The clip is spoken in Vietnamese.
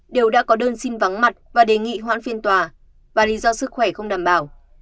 đều đã có đơn xin vắng mặt và đề nghị hoãn phiên tòa và lý do sức khỏe không đảm bảo